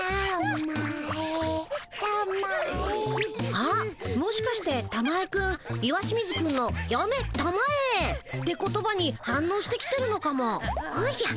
あっもしかしてたまえくん石清水くんの「やめたまえ」って言葉に反のうして来てるのかも。おじゃ。